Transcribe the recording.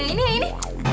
yang ini yang ini